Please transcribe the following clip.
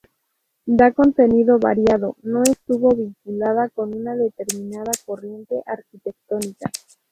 De contenido variado, no estuvo vinculada a una determinada corriente arquitectónica.